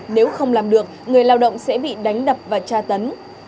nếu không làm được người lao động sẽ bị đánh đập và tra tấn